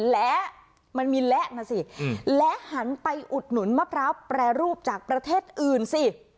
และมันมีและนะสิและหันไปอุดหนุนมะพร้าวแปรรูปจากประเทศอื่นสิ